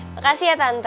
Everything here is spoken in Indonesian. makasih ya tante